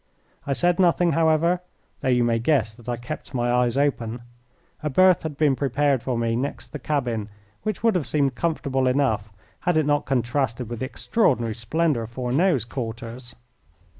I said nothing, however, though you may guess that I kept my eyes open. A berth had been prepared for me next the cabin, which would have seemed comfortable enough had it not contrasted with the extraordinary splendour of Fourneau's quarters.